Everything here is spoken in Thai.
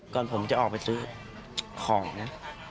ก่อนผมจะออกไปซื้อของนะ